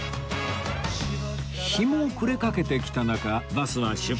日も暮れかけてきた中バスは出発